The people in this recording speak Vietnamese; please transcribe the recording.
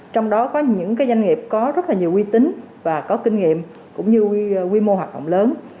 trong đó có những doanh nghiệp có rất là nhiều quy tính và có kinh nghiệm cũng như quy mô hoạt động lớn